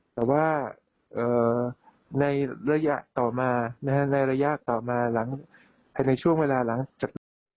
แต่ว่าในระยะต่อมาในช่วงเวลาหลังจาก